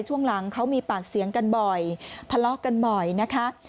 ช่วงหลังเขามีปากเสียงกันบ่อยทะเลาะกันบ่อยนะคะ